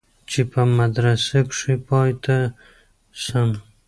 چې په مدرسه کښې پاته سم.